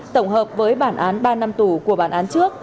tổng hợp với bản án ba năm tù của bản án trước